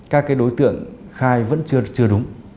các cái đối tượng khai vẫn chưa đúng